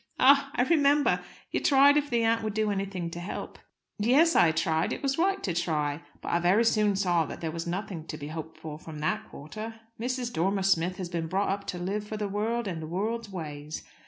"Ah! I remember. You tried if the aunt would do anything to help." "Yes, I tried. It was right to try. But I very soon saw that there was nothing to be hoped for from that quarter. Mrs. Dormer Smith has been brought up to live for the world and the world's ways.